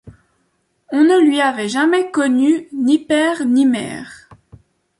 On ne lui avait jamais connu ni père ni mère.